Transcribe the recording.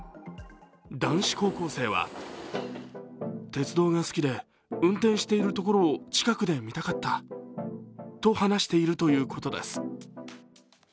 男子高校生はと話しているということです。